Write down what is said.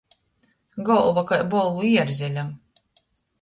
Golva kai Bolvu ierzeļam.